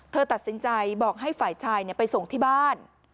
ตัดสินใจบอกให้ฝ่ายชายไปส่งที่บ้าน